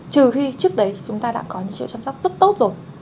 trừ khi trước đấy chúng ta đã có những chế độ chăm sóc rất tốt rồi